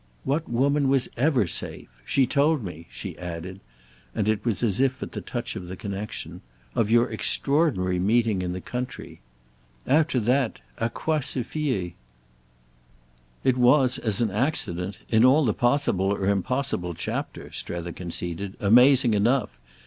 "What woman was ever safe? She told me," she added—and it was as if at the touch of the connexion—"of your extraordinary meeting in the country. After that à quoi se fier?" "It was, as an accident, in all the possible or impossible chapter," Strether conceded, "amazing enough.